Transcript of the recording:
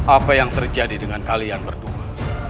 apa yang terjadi dengan kalian berdua